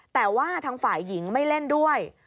แต่ว่าทางฝ่ายหญิงไม่เล่นด้วย